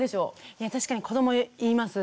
いや確かに子ども言います。